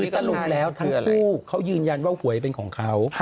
สรุปแล้วทั้งคู่เขายืนยันว่าหวยเป็นของเขา